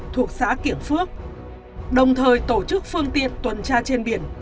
thuộc xã kiển phước đồng thời tổ chức phương tiện tuần tra trên biển